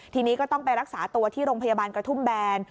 ทีนี้ก็ต้องไปรักษาตัวที่โรงพยาบาลกระทุ่มแบน